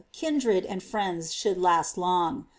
kindred and friends should last long.